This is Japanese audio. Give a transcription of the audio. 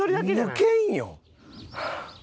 抜けんよ。